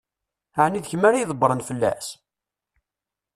Ɛni d kemm ara ydebbṛen fell-as?